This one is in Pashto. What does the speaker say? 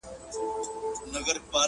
o په ډېري کې خوره، په لږي کي ست کوه٫